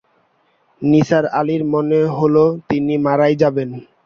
নিসার আলির মনে হল তিনি মারাই যাবেন।